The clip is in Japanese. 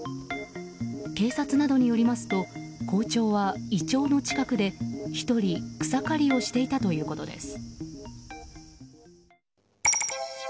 警察などによりますと校長はイチョウの近くで１人、草刈りをしていたということです。